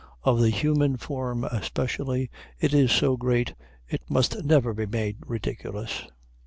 Of the human form especially, it is so great it must never be made ridiculous.